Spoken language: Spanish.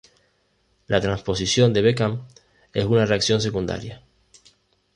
La transposición de Beckmann es una reacción secundaria.